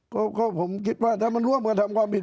ก็ผมคิดว่าถ้ามันร่วมกันทำความผิด